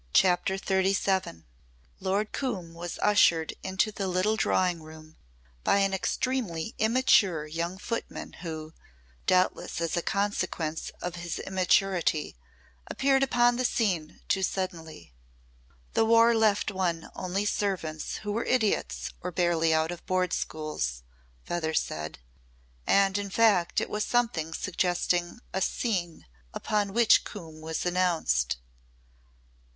CHAPTER XXXVII Lord Coombe was ushered into the little drawing room by an extremely immature young footman who doubtless as a consequence of his immaturity appeared upon the scene too suddenly. The War left one only servants who were idiots or barely out of Board Schools, Feather said. And in fact it was something suggesting "a scene" upon which Coombe was announced.